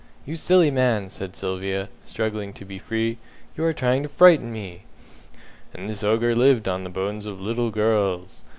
"You silly man!" said Sylvia, struggling to be free. "You are trying to frighten me!" "And this Ogre lived on the bones of little girls.